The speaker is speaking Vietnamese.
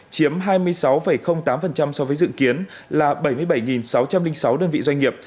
chiếm hai mươi sáu tám so với dự kiến là bảy mươi bảy sáu trăm linh sáu đơn vị doanh nghiệp